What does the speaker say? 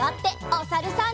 おさるさん。